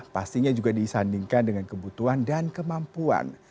pastinya juga disandingkan dengan kebutuhan dan kemampuan